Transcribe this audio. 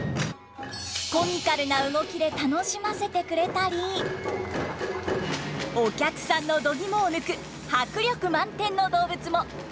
コミカルな動きで楽しませてくれたりお客さんのどぎもを抜く迫力満点の動物も。